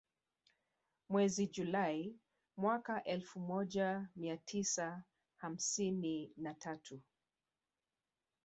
Mwezi Julai mwaka elfu moja mia tisa hamsini na tatu